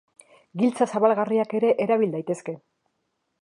Giltza zabalgarriak ere erabil daitezke.